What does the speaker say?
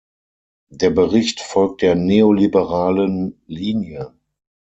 Der Bericht folgt der neoliberalen Linie.